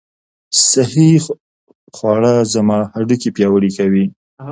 صحي خواړه زما هډوکي پیاوړي کوي.